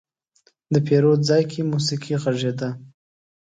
د پیرود ځای کې موسيقي غږېده.